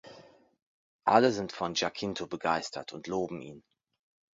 Alle sind von Giacinto begeistert und loben ihn.